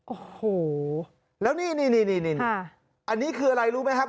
โอ้โหแล้วนี่นี่อันนี้คืออะไรรู้ไหมครับ